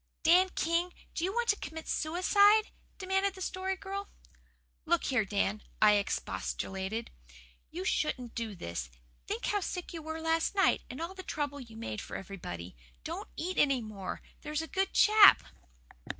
"Dan King, do you want to commit suicide?" demanded the Story Girl. "Look here, Dan," I expostulated. "You shouldn't do this. Think how sick you were last night and all the trouble you made for everybody. Don't eat any more, there's a good chap."